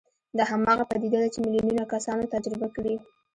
دا هماغه پدیده ده چې میلیونونه کسانو تجربه کړې